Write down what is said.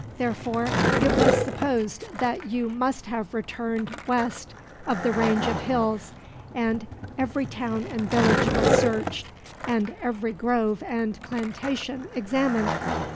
Therefore, it was supposed that you must have returned west of the range of hills, and every town and village was searched, and every grove and plantation examined.